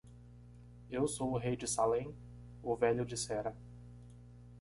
"Eu sou o rei de Salem?" o velho dissera.